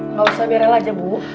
nggak usah biar el aja bu